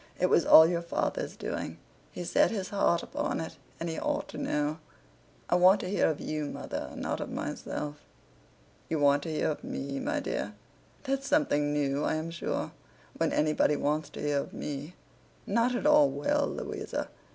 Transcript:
It was all your father's doing. He set his heart upon it. And he ought to know.' 'I want to hear of you, mother; not of myself.' 'You want to hear of me, my dear? That's something new, I am sure, when anybody wants to hear of me. Not at all well, Louisa.